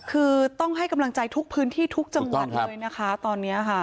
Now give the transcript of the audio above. คือต้องให้กำลังใจทุกพื้นที่ทุกจังหวัดเลยนะคะตอนนี้ค่ะ